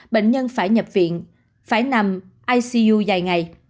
bệnh nhân phải nhập viện phải nằm icu dài ngày